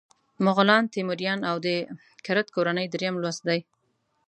مغولان، تیموریان او د کرت کورنۍ دریم لوست دی.